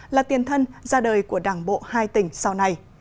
là tiền thân ra đời của đảng bộ hai tỉnh sau này